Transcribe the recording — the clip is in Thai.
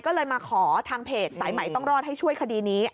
ก็เลยมาขอทางเพจสายใหม่ต้องรอดให้ช่วยคดีนี้